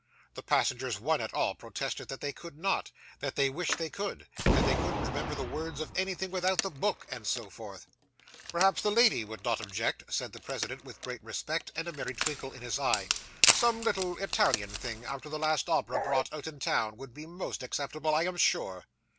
The passengers, one and all, protested that they could not; that they wished they could; that they couldn't remember the words of anything without the book; and so forth. 'Perhaps the lady would not object,' said the president with great respect, and a merry twinkle in his eye. 'Some little Italian thing out of the last opera brought out in town, would be most acceptable I am sure.